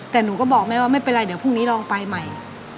แต่หนูก็บอกแม่ว่าไม่เป็นไรเดี๋ยวพรุ่งนี้ลองไปใหม่